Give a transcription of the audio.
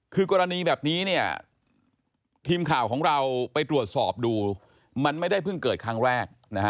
คือกรณีแบบนี้เนี่ยทีมข่าวของเราไปตรวจสอบดูมันไม่ได้เพิ่งเกิดครั้งแรกนะฮะ